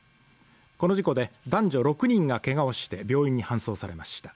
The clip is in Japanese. この事故で男女６人がけがをして病院に搬送されました。